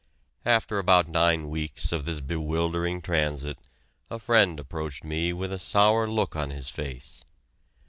After about nine weeks of this bewildering transit a friend approached me with a sour look on his face.